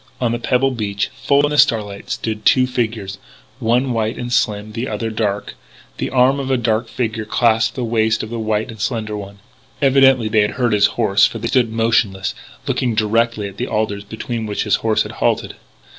On the pebbled beach, full in the starlight, stood two figures, one white and slim, the other dark. The arm of the dark figure clasped the waist of the white and slender one. Evidently they had heard his horse, for they stood motionless, looking directly at the alders behind which his horse had halted.